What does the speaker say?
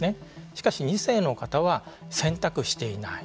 しかし、２世の方は選択していない。